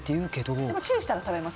でも注意したら食べます。